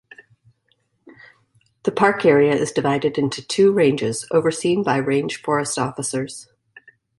The park area is divided into two ranges, overseen by range forest officers.